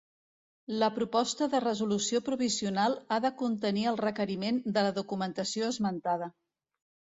La proposta de resolució provisional ha de contenir el requeriment de la documentació esmentada.